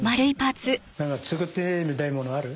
何か作ってみたいものある？